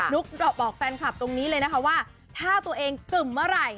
นุคออกบอกแฟนคลับตรงนี้เลยนะว่าถ้าตัวเองกึ่มอะไร